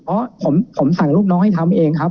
เพราะผมสั่งลูกน้องให้ทำเองครับ